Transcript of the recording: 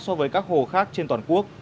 so với các hồ khác trên toàn quốc